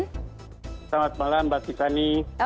selamat malam mbak tiffany